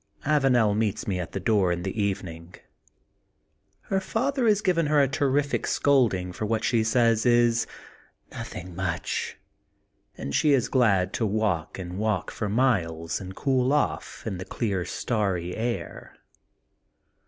Avanel meets me at the door in the evening. Her father has given her a terrific scolding for what she says is '* nothing much^* and she is glad to walk and walk for miles and cool oflf in the clear starry air.